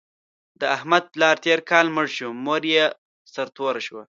د احمد پلار تېر کال مړ شو، مور یې سرتوره شوه.